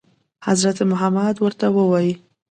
حضرت محمد ورته وايي.